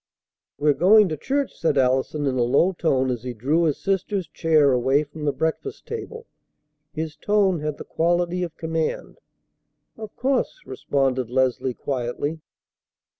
"We're going to church," said Allison in a low tone as he drew his sister's chair away from the breakfast table. His tone had the quality of command. "Of course," responded Leslie quietly.